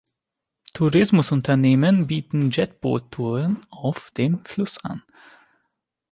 Tourismusunternehmen bieten Jetboot-Touren auf dem Fluss an.